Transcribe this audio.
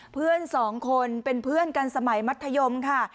เพื่อนสองคนเป็นเพื่อนกันสมัยมัธยมค่ะ